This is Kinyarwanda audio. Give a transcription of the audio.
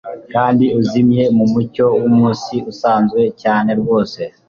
Kandi uzimye mumucyo wumunsi usanzwe cyane rwose